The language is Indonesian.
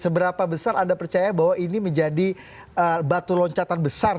seberapa besar anda percaya bahwa ini menjadi batu loncatan besar